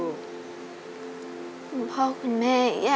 คุณพ่อกูแม่ค่ะ